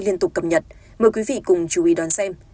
liên tục cập nhật mời quý vị cùng chú ý đón xem